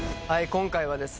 今回はですね